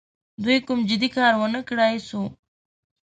دوی کوم جدي کار ونه کړای سو.